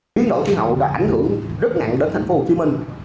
biến đổi khí hậu đã ảnh hưởng rất nặng đến thành phố hồ chí minh